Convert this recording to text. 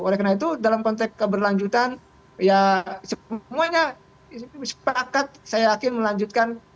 oleh karena itu dalam konteks keberlanjutan ya semuanya sepakat saya yakin melanjutkan